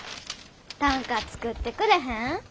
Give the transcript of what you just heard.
短歌作ってくれへん？